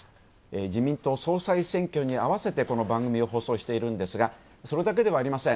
自民党総裁選挙にあわせて、この番組を放送しているんですが、それだけではありません。